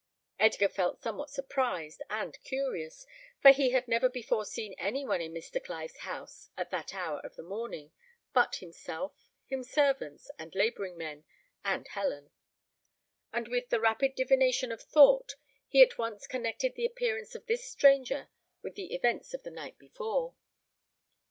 Edgar felt somewhat surprised and curious, for he had never before seen any one in Mr. Clive's house at that hour of the morning but himself, his servants and labouring men, and Helen; and with the rapid divination of thought, he at once connected the appearance of this stranger with the events of the night before.